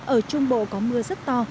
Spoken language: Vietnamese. ở trung bộ có mưa rất to